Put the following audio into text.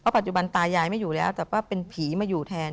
ปัจจุบันตายายไม่อยู่แล้วแต่ว่าเป็นผีมาอยู่แทน